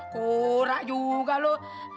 kurak juga lo